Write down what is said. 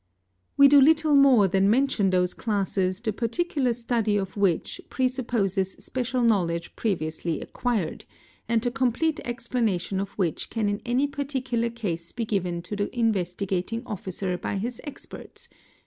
We do little more than mention those Glasses the particular study of which presupposes special knowledge previously acquired, and the complete explanation of which can in any Darticular case be given to the Investigating Officer by his experts, ¢.